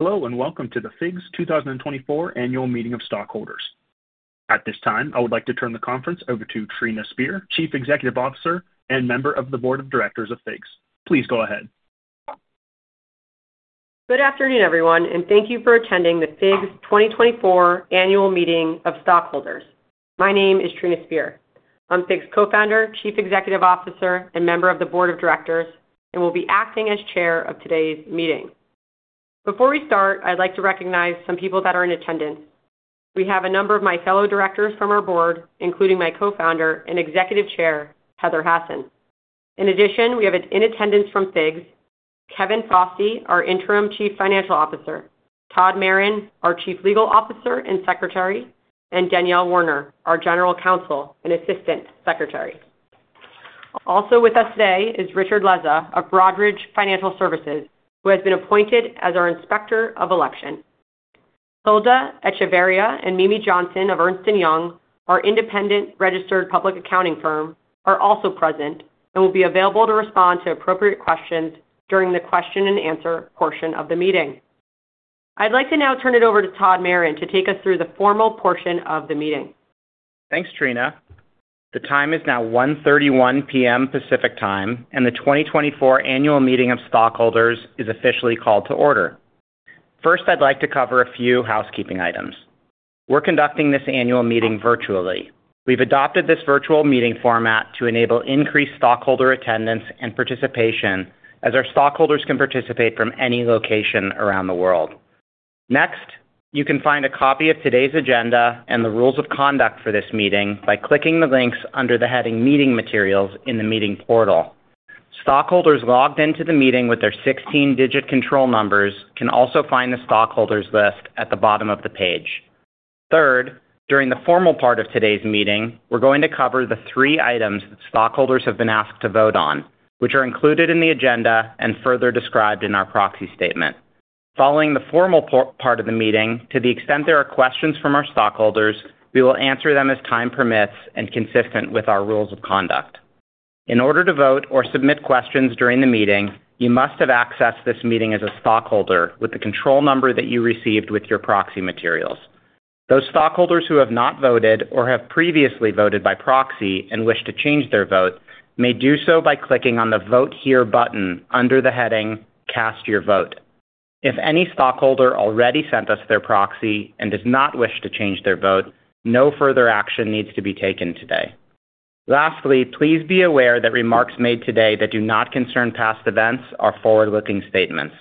Hello, and welcome to the FIGS 2024 Annual Meeting of Stockholders. At this time, I would like to turn the conference over to Trina Spear, Chief Executive Officer and Member of the Board of Directors of FIGS. Please go ahead. Good afternoon, everyone, and thank you for attending the FIGS 2024 Annual Meeting of Stockholders. My name is Trina Spear. I'm FIGS Co-founder, Chief Executive Officer, and Member of the Board of Directors, and will be acting as Chair of today's meeting. Before we start, I'd like to recognize some people that are in attendance. We have a number of my fellow directors from our board, including my Co-founder and Executive Chair, Heather Hasson. In addition, we have in attendance from FIGS, Kevin Fosse, our Interim Chief Financial Officer, Todd Maron, our Chief Legal Officer and Secretary, and Danielle Warner, our General Counsel and Assistant Secretary. Also with us today is Richard Loza of Broadridge Financial Services, who has been appointed as our Inspector of Election. Hilda Echeverria and Mimi Johnson of Ernst & Young, our independent registered public accounting firm, are also present and will be available to respond to appropriate questions during the question and answer portion of the meeting. I'd like to now turn it over to Todd Maron to take us through the formal portion of the meeting. Thanks, Trina. The time is now 1:31 P.M. Pacific Time, and the 2024 Annual Meeting of Stockholders is officially called to order. First, I'd like to cover a few housekeeping items. We're conducting this annual meeting virtually. We've adopted this virtual meeting format to enable increased stockholder attendance and participation, as our stockholders can participate from any location around the world. Next, you can find a copy of today's agenda and the rules of conduct for this meeting by clicking the links under the heading Meeting Materials in the meeting portal. Stockholders logged into the meeting with their sixteen-digit control numbers can also find the stockholders list at the bottom of the page. Third, during the formal part of today's meeting, we're going to cover the three items stockholders have been asked to vote on, which are included in the agenda and further described in our proxy statement. Following the formal part of the meeting, to the extent there are questions from our stockholders, we will answer them as time permits and consistent with our rules of conduct. In order to vote or submit questions during the meeting, you must have accessed this meeting as a stockholder with the control number that you received with your proxy materials. Those stockholders who have not voted or have previously voted by proxy and wish to change their vote may do so by clicking on the Vote Here button under the heading Cast Your Vote. If any stockholder already sent us their proxy and does not wish to change their vote, no further action needs to be taken today. Lastly, please be aware that remarks made today that do not concern past events are forward-looking statements.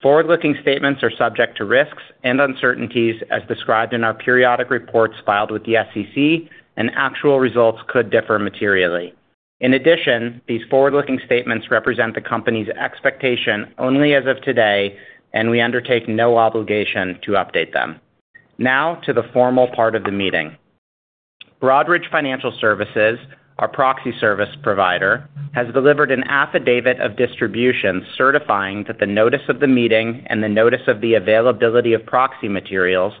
Forward-looking statements are subject to risks and uncertainties as described in our periodic reports filed with the SEC, and actual results could differ materially. In addition, these forward-looking statements represent the company's expectation only as of today, and we undertake no obligation to update them. Now to the formal part of the meeting. Broadridge Financial Services, our proxy service provider, has delivered an affidavit of distribution certifying that the notice of the meeting and the notice of the availability of proxy materials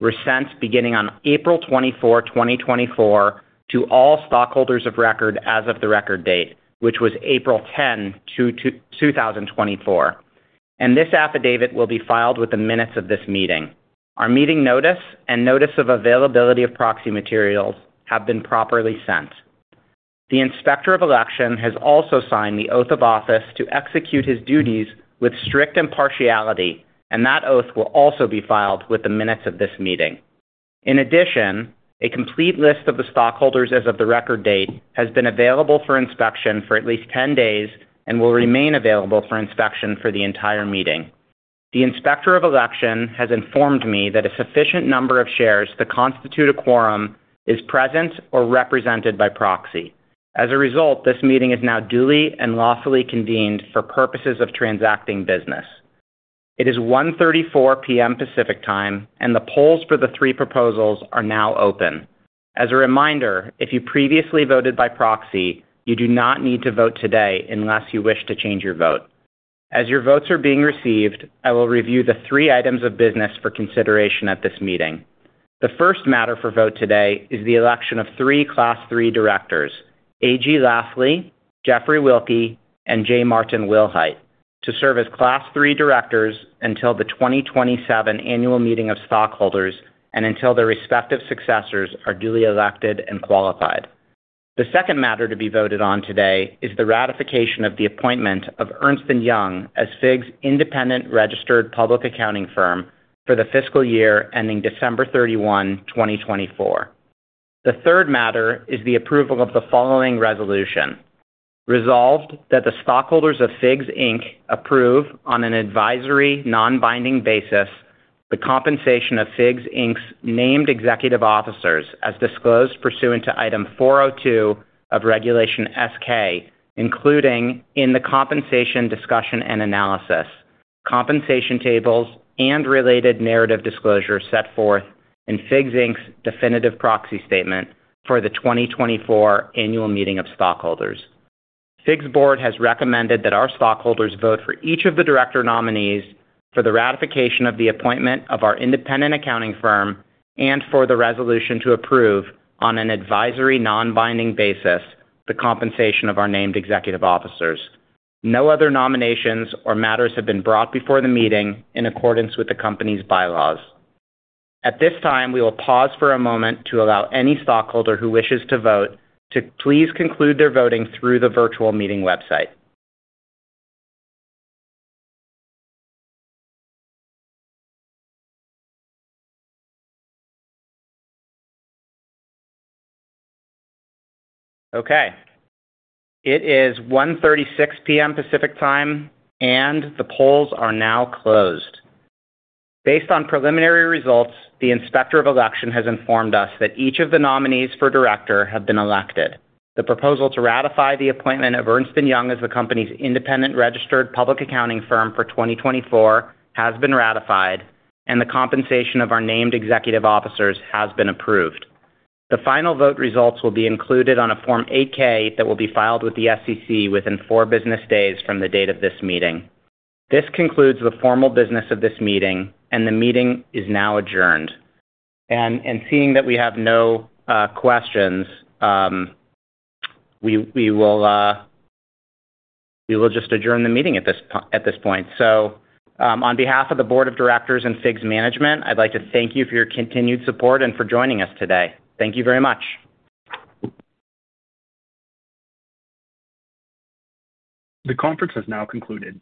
were sent beginning on April 24, 2024, to all stockholders of record as of the record date, which was April 10, 2024, and this affidavit will be filed with the minutes of this meeting. Our meeting notice and notice of availability of proxy materials have been properly sent. The Inspector of Election has also signed the oath of office to execute his duties with strict impartiality, and that oath will also be filed with the minutes of this meeting. In addition, a complete list of the stockholders as of the record date has been available for inspection for at least 10 days and will remain available for inspection for the entire meeting. The Inspector of Election has informed me that a sufficient number of shares to constitute a quorum is present or represented by proxy. As a result, this meeting is now duly and lawfully convened for purposes of transacting business. It is 1:34 P.M. Pacific Time, and the polls for the three proposals are now open. As a reminder, if you previously voted by proxy, you do not need to vote today unless you wish to change your vote. As your votes are being received, I will review the three items of business for consideration at this meeting. The first matter for vote today is the election of three Class III directors, A.G. Lafley, Jeffrey Wilke, and J. Martin Willhite, to serve as Class III directors until the 2027 Annual Meeting of Stockholders and until their respective successors are duly elected and qualified. The second matter to be voted on today is the ratification of the appointment of Ernst & Young as FIGS' independent registered public accounting firm for the fiscal year ending December 31, 2024. The third matter is the approval of the following resolution. Resolved, that the stockholders of FIGS, Inc. approve, on an advisory non-binding basis, the compensation of FIGS, Inc.'s named executive officers as disclosed pursuant to Item 402 of Regulation S-K, including in the compensation discussion and analysis, compensation tables and related narrative disclosures set forth in FIGS, Inc.'s definitive proxy statement for the 2024 Annual Meeting of Stockholders. FIGS' board has recommended that our stockholders vote for each of the director nominees for the ratification of the appointment of our independent accounting firm and for the resolution to approve, on an advisory non-binding basis, the compensation of our named executive officers. No other nominations or matters have been brought before the meeting in accordance with the company's bylaws. At this time, we will pause for a moment to allow any stockholder who wishes to vote to please conclude their voting through the virtual meeting website. Okay, it is 1:36 P.M. Pacific Time, and the polls are now closed. Based on preliminary results, the Inspector of Election has informed us that each of the nominees for director have been elected. The proposal to ratify the appointment of Ernst & Young as the company's independent registered public accounting firm for 2024 has been ratified, and the compensation of our named executive officers has been approved. The final vote results will be included on a Form 8-K that will be filed with the SEC within four business days from the date of this meeting. This concludes the formal business of this meeting, and the meeting is now adjourned. Seeing that we have no questions, we will just adjourn the meeting at this point. On behalf of the Board of Directors and FIGS management, I'd like to thank you for your continued support and for joining us today. Thank you very much. The conference has now concluded.